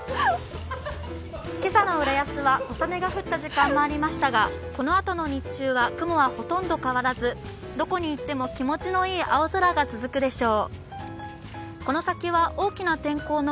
今朝の浦安は小雨が降った時間もありましたが、このあとの日中は雲は、ほとんど変わらずどこに行っても気持ちのいい青空が続くでしょう。